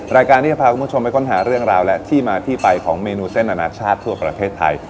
รายการที่จะพาคุณผู้ชมไปค้นหาเรื่องราวและที่มาที่ไปของเมนูเส้นอนาชาติทั่วประเทศไทย